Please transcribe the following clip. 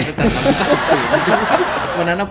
มันน่าจะชนะให้จบไป